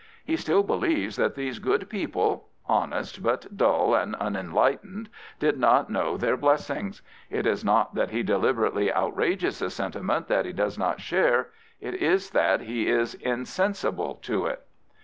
He still believes that these good people — honest, but dull and unenlightened — did not know their blessings. It is not that he deliber ately outrages a sentiment that he does not share: it is that he is insensible to it.